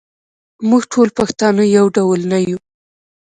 موږ ټول پښتانه یو ډول نه یوو.